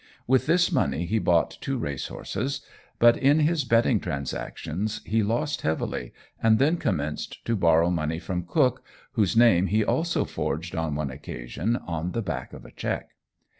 With this money he bought two racehorses; but in his betting transactions he lost heavily, and then commenced to borrow money from Cook, whose name he also forged on one occasion on the back of a cheque.